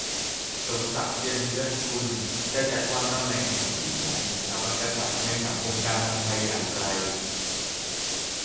สมศักดิ์ เจียมธีรสกุล : จะจัดวางตำแหน่งแห่งที่ของสถาบันกษัตริย์ในสังคม-การเมืองไทยอย่างไร ?